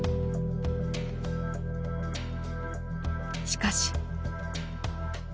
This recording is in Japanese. しかし。